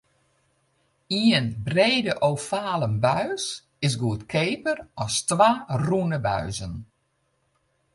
Ien brede ovale buis is goedkeaper as twa rûne buizen.